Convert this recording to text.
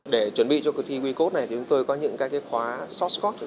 để chuẩn bị cho cuộc thi wicode này thì chúng tôi có những cái khóa short scot